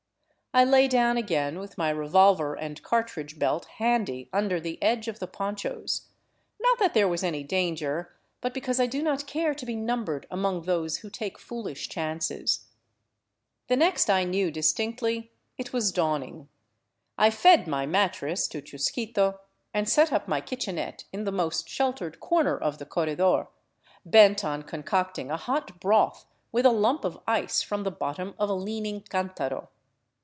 I lay down again with my revolver and cartridge belt handy under the edge of the ponchos; not that there was any danger, but because I do not care to be numbered among those who take foolish chances. The next I knew distinctly, it was dawning. I fed my mattress to Chusquito and set up my kitchenette in the most sheltered corner of the corredor, bent on concocting a hot broth with a lump of ice from the bottom of a leaning cantaro.